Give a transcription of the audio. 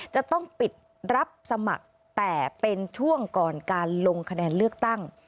จะต้องปิดรับสมัครแต่เป็นช่วงก่อนการลงคะแนนเลือกตั้ง